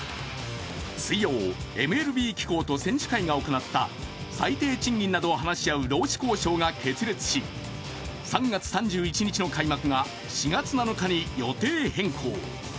水曜、ＭＬＢ機構と選手会が行った最低賃金などを話し合う労使交渉が決裂し、３月３１日の開幕が４月７日に予定変更。